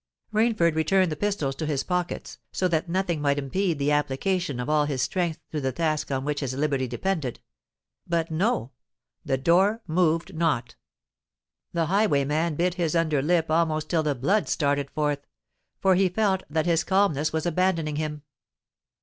Rainford returned the pistols to his pockets, so that nothing might impede the application of all his strength to the task on which his liberty depended: but no—the door moved not! The highwayman bit his under lip almost till the blood started forth—for he felt that his calmness was abandoning him.